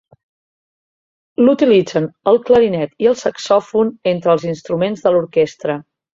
L'utilitzen el clarinet i el saxòfon entre els instruments de l'orquestra.